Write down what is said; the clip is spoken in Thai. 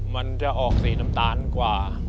มันจะออกสีน้ำตาลกว่า